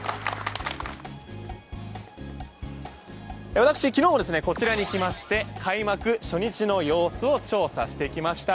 私、昨日こちらに来まして開幕初日の様子を調査してきました。